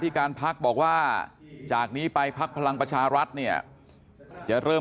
การพักบอกว่าจากนี้ไปพักพลังประชารัฐเนี่ยจะเริ่ม